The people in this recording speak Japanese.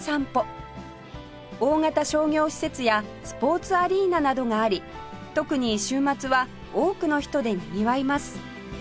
大型商業施設やスポーツアリーナなどがあり特に週末は多くの人でにぎわいます